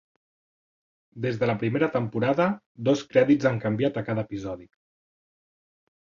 Des de la primera temporada, dos crèdits han canviat a cada episodi.